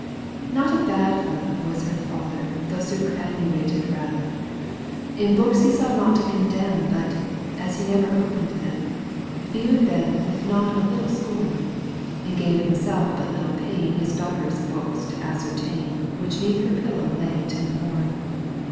^ Not a bad fellow was her father Though superannuated rather ; In books he saw nought to condemn But, as he never opened them, Viewed them with not a little scorn. And gave himself but little pain His daughter's book to ascertain Which 'neath her pШow lay till morn.